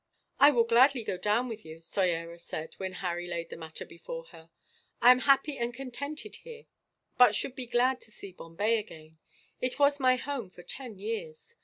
"I will gladly go down with you," Soyera said, when Harry laid the matter before her. "I am happy and contented here, but should be glad to see Bombay again. It was my home for ten years.